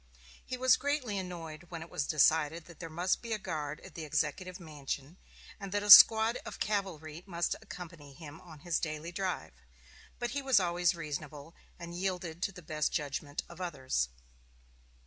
He was greatly annoyed when it was decided that there must be a guard at the Executive Mansion, and that a squad of cavalry must accompany him on his daily drive; but he was always reasonable, and yielded to the best judgment of others.